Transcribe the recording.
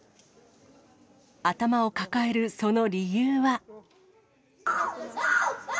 頭を抱えるその理由は。